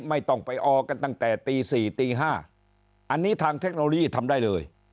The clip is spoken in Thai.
ไม่ต้องไปออกันตั้งแต่ตี๔ตี๕อันนี้ทางเทคโนโลยีทำได้เลย